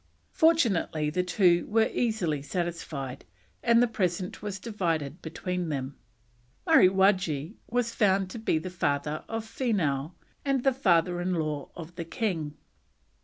Fortunately the two were easily satisfied, and the present was divided between them. Mariwaggee was found to be the father of Feenough, and the father in law of the king.